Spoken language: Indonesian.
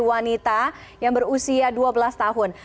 wanita yang berusia dua belas tahun